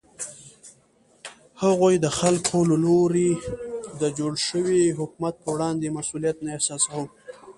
هغوی د خلکو له لوري د جوړ شوي حکومت په وړاندې مسوولیت نه احساساوه.